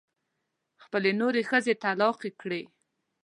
خپلې نورې ښځې طلاقې کړې.